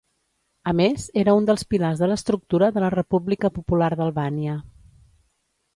A més, era un dels pilars de l'estructura de la República Popular d'Albània.